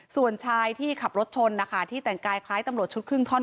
ส่วนชายที่ขับรถชนนะคะที่แต่งกายคล้ายตำรวจชุดครึ่งท่อน